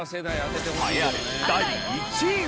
栄えある第１位は？